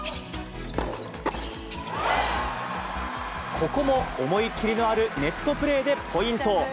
ここも思い切りのあるネットプレーでポイント。